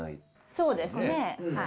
そうですねはい。